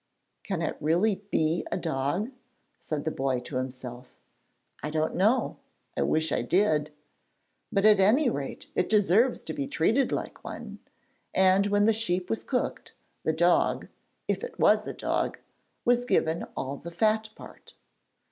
'Can it really be a dog?' said the boy to himself. 'I don't know; I wish I did. But at any rate, it deserves to be treated like one,' and when the sheep was cooked, the dog if it was a dog was given all the fat part.